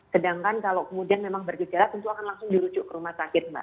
sedangkan kalau kemudian memang bergejala tentu akan langsung dirujuk ke rumah sakit mbak